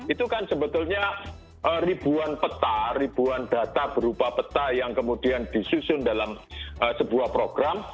itu kan sebetulnya ribuan peta ribuan data berupa peta yang kemudian disusun dalam sebuah program